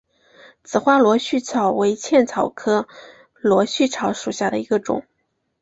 紫花螺序草为茜草科螺序草属下的一个种。